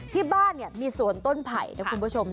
ที่บ้านมีสวนต้นไผ่นะคุณผู้ชม